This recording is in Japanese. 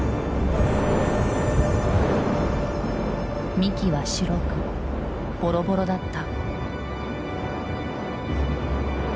幹は白くボロボロだった。